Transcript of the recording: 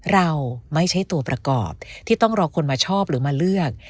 เราไม่ใช่ตัวประกอบที่ต้องรอคนมาชอบหรือมาเลือก